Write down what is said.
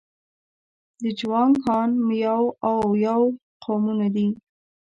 د جوانګ، هان، میاو او یاو قومونه دي.